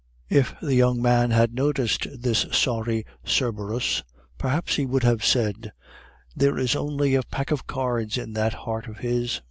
If the young man had noticed this sorry Cerberus, perhaps he would have said, "There is only a pack of cards in that heart of his."